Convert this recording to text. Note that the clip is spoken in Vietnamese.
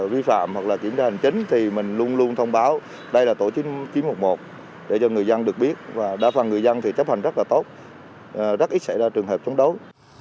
vi phạm hoặc là kiểm tra hành chính thì mình luôn luôn thông báo đây là tổ chính chín trăm một mươi một để cho người dân được biết và đa phần người dân thì chấp hành rất là tốt rất ít xảy ra trường hợp chống đối